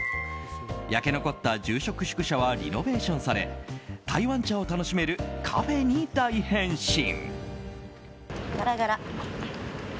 焼け残った住職宿舎はリノベーションされ台湾茶を楽しめるカフェに大変身。